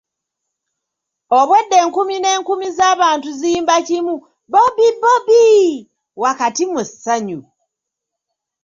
Obwedda enkumi n'enkumi z'abantu ziyimba kimu “Bobi Bobi” wakati mu ssanyu.